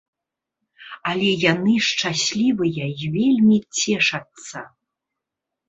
Але яны шчаслівыя і вельмі цешацца.